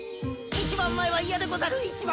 一番前は嫌でござる！